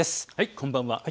こんばんは。